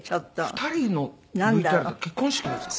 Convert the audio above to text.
２人のＶＴＲって結婚式ですか？